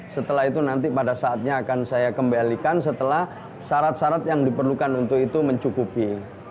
setelah itu nanti pada saatnya akan saya kembalikan setelah syarat syarat yang diperlukan untuk itu mencukupi